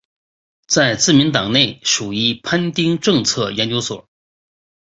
在自民党内属于番町政策研究所。